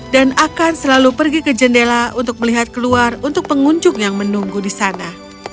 dan akan selalu pergi ke jendela untuk melihat keluar untuk pengunjuk yang menunggu di sana